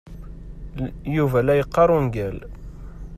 Yuba la yeqqar ungal.